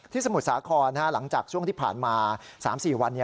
สมุทรสาครหลังจากช่วงที่ผ่านมา๓๔วัน